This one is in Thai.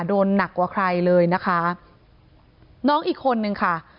โดนหนักกว่าใครเลยนะคะน้องอีกคนนึงค่ะ